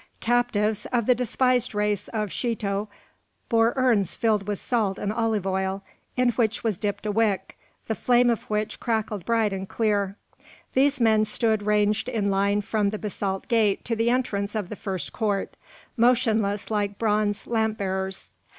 Captives, of the despised race of Scheto, bore urns filled with salt and olive oil, in which was dipped a wick, the flame of which crackled bright and clear. These men stood ranged in line from the basalt gate to the entrance of the first court, motionless like bronze lamp bearers.